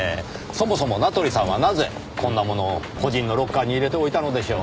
そもそも名取さんはなぜこんなものを個人のロッカーに入れておいたのでしょう？